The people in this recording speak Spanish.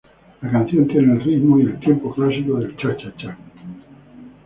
La canción tiene el ritmo y el tempo clásico del cha-cha-cha.